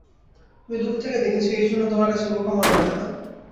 তুমি দূর থেকে দেখেছ, এই জন্যে তোমার কাছে বোকা মনে হয় না।